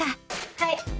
はい。